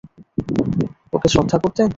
ওকে শ্রদ্ধা করতেন?